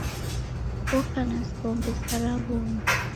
Woka na sombe sa ra w'omi.